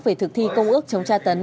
về thực thi công ước chống tra tấn